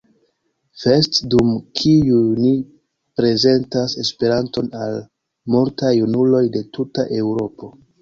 Fest, dum kiuj ni prezentas Esperanton al multaj junuloj de tuta Eŭropo.